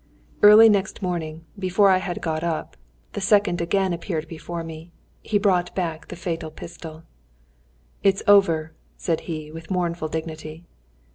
Early next morning, before I had got up, the second again appeared before me. He brought back the fatal pistol. "It is over," said he, with mournful dignity.